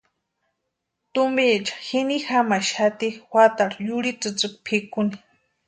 Tumpiecha jini jamaxati juatarhu yurhi tsïtsïki pʼikuni.